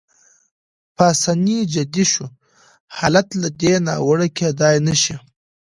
پاسیني جدي شو: حالت له دې ناوړه کېدای نه شي.